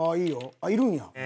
あっいるんや？